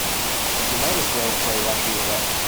You might as well play Russian roulette.